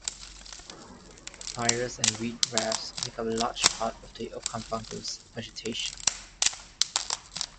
Papyrus and reed rafts make up a large part of the Okavango's vegetation.